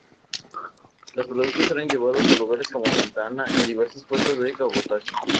Los productos eran llevados a lugares como Santa Ana y diversos puestos de cabotaje.